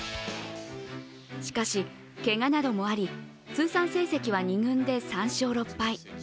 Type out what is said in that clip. しかし、けがなどもあり通算成績は２軍で３勝６敗。